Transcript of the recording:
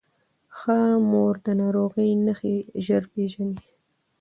ښه مور د ناروغۍ نښې ژر پیژني.